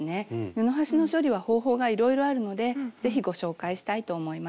布端の処理は方法がいろいろあるのでぜひご紹介したいと思います。